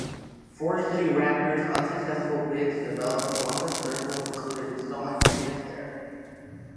Forest City Ratner's unsuccessful bid to develop Columbus Circle, included installing a Sears there.